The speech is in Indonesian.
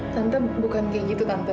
tante bukan kayak gitu tanpa